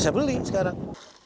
saya beli sekarang